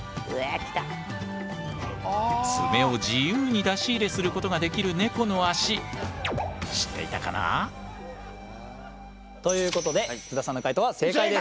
爪を自由に出し入れすることができるネコの足知っていたかな？ということで津田さんの解答は正解です。